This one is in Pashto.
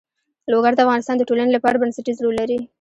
لوگر د افغانستان د ټولنې لپاره بنسټيز رول لري.